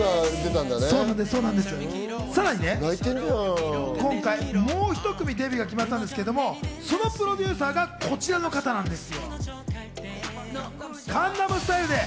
さらに今回、もう１組デビューが決まったんですけども、そのプロデューサーがこちらの方なんです。